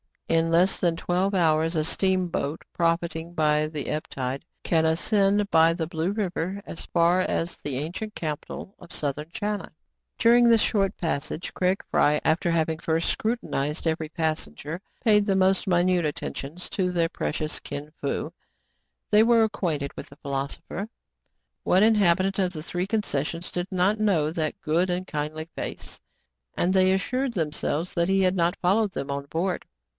In less than twelve hours a steamboat, profiting by the ebb tide, can ascend by the Blue River as far as the ancient capital of Southern China. During this short passage, Craig Fry, after hav ing first scrutinized every passenger, paid the most minute attentions to their precious Kin Fo. They were acquainted with the philosopher, — what in habitant of the three concessions did not know that good and kindly face.^ — and they assured themselves that he had not followed them on board.